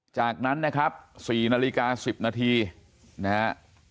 จากนั้นนะครับ๔นาฬิกา๑๐นาทีนะฮะ